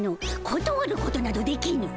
ことわることなどできぬ。